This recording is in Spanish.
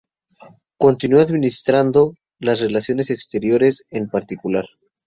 Continuó administrando las relaciones exteriores en particular.